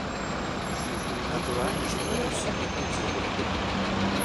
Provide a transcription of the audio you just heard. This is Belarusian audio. Натуральна, што гэта ўсё непадзельна.